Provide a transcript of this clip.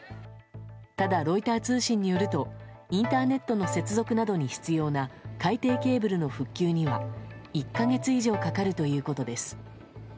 ただ、ロイター通信によるとインターネットの接続などに必要な海底ケーブルの復旧には１か月以上かかるということです。